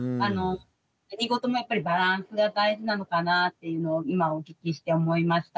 何事もやっぱりバランスが大事なのかなっていうのを今お聞きして思いました。